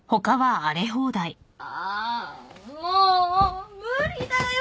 あもう無理だよ！